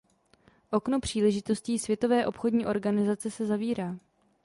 Okno příležitostí Světové obchodní organizace se zavírá.